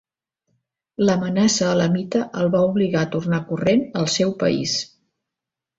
L'amenaça elamita el va obligar a tornar corrent al seu país.